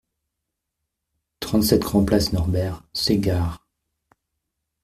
trente-sept grand-Place Norbert Segard